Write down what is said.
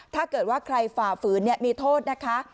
ถ้าเกิดว่าใครฝ่าฝืนมีโทษนะคะ